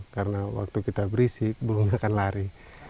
karena waktu kita berisik burung akan lari